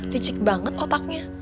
licik banget otaknya